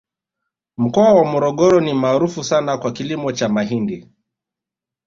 mkoa wa morogoro ni maarufu sana kwa kilimo cha mahindi